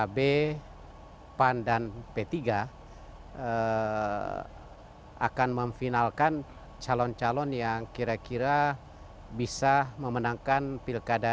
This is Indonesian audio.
yang berada di kediaman ketua umum partai demokrat akan memfinalkan calon calon yang kira kira bisa memenangkan pilkadan